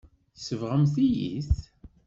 Tsebɣemt-iyi-t.